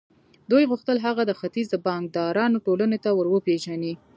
دوی غوښتل هغه د ختيځ د بانکدارانو ټولنې ته ور وپېژني.